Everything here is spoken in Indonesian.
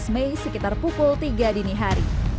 dua belas mei sekitar pukul tiga dini hari